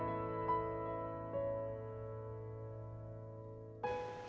พี่บัลลอยถ้าเผื่อว่าวันนี้เราได้ทุนก้อนหนึ่งนี่นะครับ